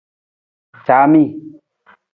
Caami.